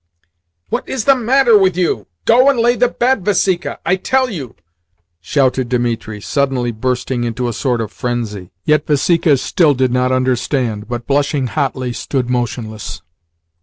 "What is the matter with you? Go and lay the bed, Vasika, I tell you!" shouted Dimitri, suddenly bursting into a sort of frenzy; yet Vasika still did not understand, but, blushing hotly, stood motionless.